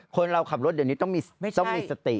คนเราขับรถเดี๋ยวนี้ต้องมีสติ